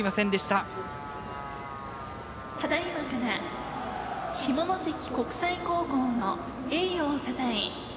ただいまから下関国際高校の栄誉をたたえ